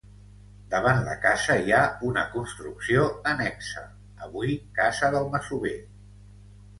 Davant la casa hi ha una construcció annexa, avui casa del masover.